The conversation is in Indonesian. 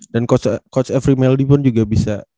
dan coach every meldy pun juga bisa